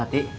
pasti ya pok